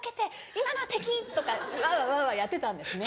今のは敵！」とかわわやってたんですね。